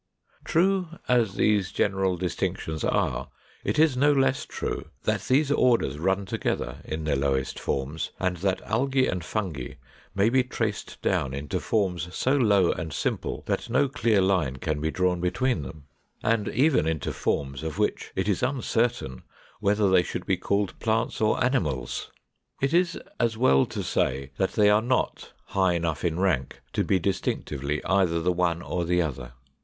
True as these general distinctions are, it is no less true that these orders run together in their lowest forms; and that Algæ and Fungi may be traced down into forms so low and simple that no clear line can be drawn between them; and even into forms of which it is uncertain whether they should be called plants or animals. It is as well to say that they are not high enough in rank to be distinctively either the one or the other.